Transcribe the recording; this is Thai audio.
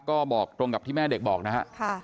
ก็บอกตรงกับที่แม่เด็กบอกนะฮะ